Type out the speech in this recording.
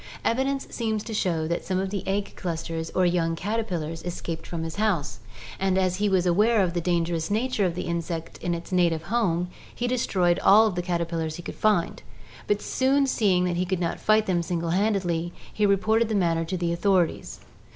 Evidence seems to show that some of the egg clusters or young caterpillars escaped from his house, and as he was aware of the dangerous nature of the insect in its native home, he destroyed all the cater pillars he could find, but soon seeing that he could not fight them single handed, he reported the matter to the authorities.